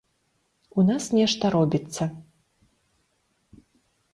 У нас нешта робіцца.